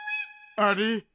あれ？